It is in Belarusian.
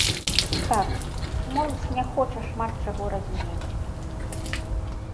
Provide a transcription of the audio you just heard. Так, моладзь не хоча шмат чаго разумець.